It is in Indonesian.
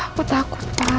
aku takut pa